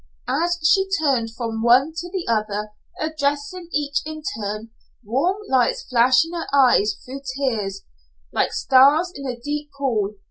As she turned from one to the other, addressing each in turn, warm lights flashed in her eyes through tears, like stars in a deep pool.